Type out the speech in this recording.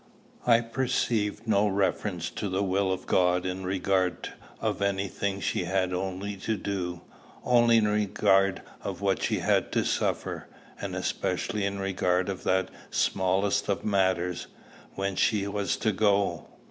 I perceived no reference to the will of God in regard of any thing she had to do, only in regard of what she had to suffer, and especially in regard of that smallest of matters, when she was to go.